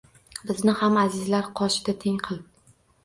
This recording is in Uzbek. Bizni ham azizlar qoshida teng qil.